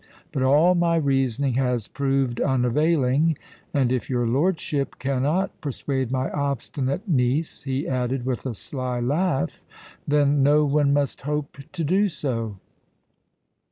But all my reasoning has proved unavailing; and if your lordship cannot persuade my obstinate niece," he added, with a sly laugh, "then no one must hope to do so."